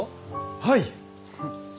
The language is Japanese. はい！